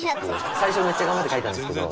最初めっちゃ頑張って描いたんですけど